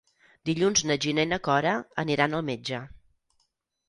Dilluns na Gina i na Cora aniran al metge.